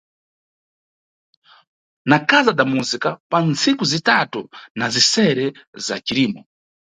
Na Casa da Música pa ntsiku zitatu na zisere za Cirimo.